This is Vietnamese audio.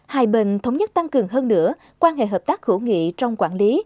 hai bên thống nhất tăng cường hơn nữa quan hệ hợp tác hữu nghị trong quản lý